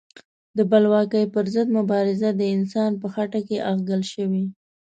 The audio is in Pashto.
د بلواکۍ پر ضد مبارزه د انسان په خټه کې اغږل شوې.